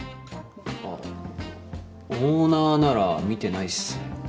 あぁオーナーなら見てないっすね。